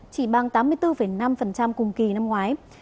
chỉ bằng tám mươi bốn năm cùng kỳ năm ngoái